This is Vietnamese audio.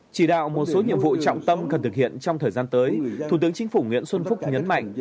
chỉ đạo một số nhiệm vụ trọng tâm cần thực hiện trong thời gian tới thủ tướng chính phủ nguyễn xuân phúc nhấn mạnh